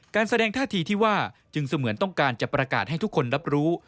การแสดงท่าทีที่ว่าจึงเสมือนต้องการจะประกาศให้ทุกคนรับรู้